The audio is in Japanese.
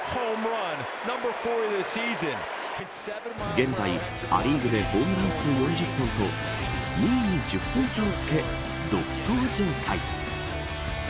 現在ア・リーグでホームラン数４０本と２位に１０本差をつけ独走状態。